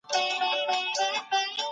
په سندرو کې منظم تنفس فشار کموي.